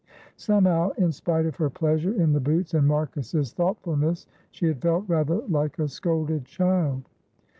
Somehow in spite of her pleasure in the boots and Marcus's thoughtfulness she had felt rather like a scolded child.